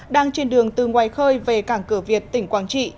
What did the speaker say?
đang trên đường từ ngoài khơi về cảng cửa việt tỉnh quảng trị